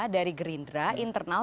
dari gerindra internal